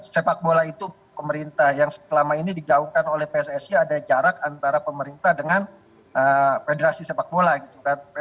sepak bola itu pemerintah yang selama ini digaungkan oleh pssi ada jarak antara pemerintah dengan federasi sepak bola gitu kan